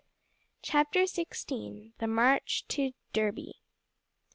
CHAPTER XVI: The March to Derby.